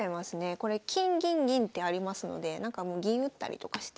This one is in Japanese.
これ金銀銀ってありますのでなんかもう銀打ったりとかして。